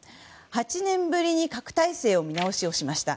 ８年ぶりに核態勢を見直しました。